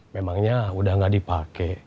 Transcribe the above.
memangnya udah gak dipake